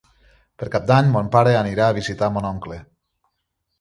Per Cap d'Any mon pare anirà a visitar mon oncle.